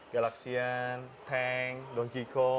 galaxian tank donkey kong